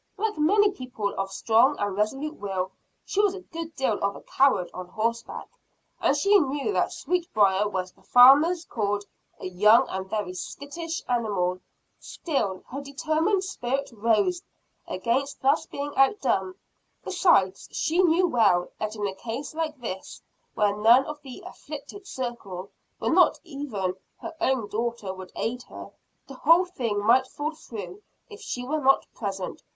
Like many people of strong and resolute will, she was a good deal of a coward on horseback; and she knew that Sweetbriar was what the farmers called "a young and very skittish animal." Still her determined spirit rose against thus being outdone; besides, she knew well that in a case like this, where none of the "afflicted circle," not even her own daughter, would aid her, the whole thing might fall through if she were not present.